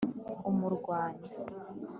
umurwanyi